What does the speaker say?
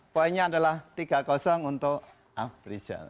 poinnya adalah tiga untuk afrizal